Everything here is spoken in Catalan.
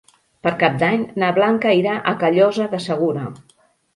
Per Cap d'Any na Blanca irà a Callosa de Segura.